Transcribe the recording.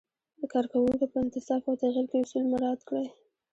د کارکوونکو په انتصاب او تغیر کې اصول مراعت کړئ.